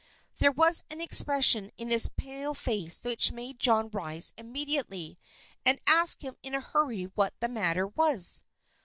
There was an expression in his pale face which made John rise immediately, and ask him in a hurry what the matter was.